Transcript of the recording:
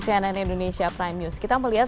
cnn indonesia pranius kita melihat